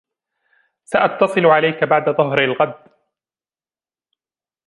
سأتصل عليك بعد ظهر الغد.